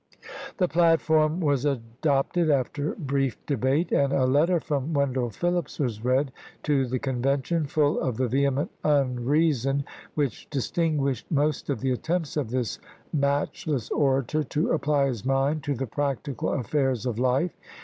The platform was adopted after brief debate, and a letter from Wendell Phillips was read to the Con vention, full of the vehement unreason which dis tinguished most of the attempts of this matchless orator to apply his mind to the practical affairs of life.